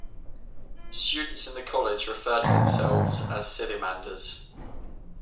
Students in the college refer to themselves as Sillimanders.